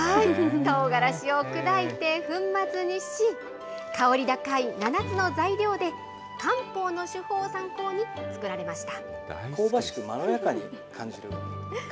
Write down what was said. とうがらしを砕いて粉末にし、香り高い７つの材料で、漢方の手法を参考に作られました。